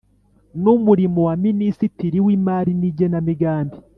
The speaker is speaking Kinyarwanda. n Umurimo na Minisitiri w Imari n Igenamigambi